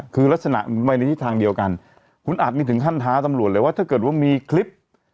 คือลักษณะไปในที่ทางเดียวกันคุณอัดนี่ถึงขั้นท้าตำรวจเลยว่าถ้าเกิดว่ามีคลิป